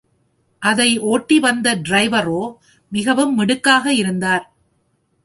அதை ஒட்டி வந்த டிரைவரோ மிகவும் மிடுக்காக இருந்தார்.